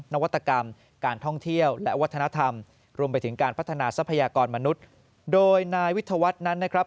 นวัตกรรมการท่องเที่ยวและวัฒนธรรมรวมไปถึงการพัฒนาทรัพยากรมนุษย์โดยนายวิทยาวัฒน์นั้นนะครับ